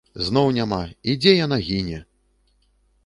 Зноў няма, і дзе яна гіне!